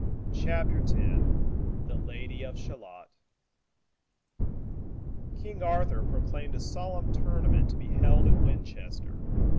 CHAPTER X THE LADY OF SHALOTT King Arthur proclaimed a solemn tournament to be held at Winchester.